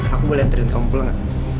aku boleh antriin kamu pulang ya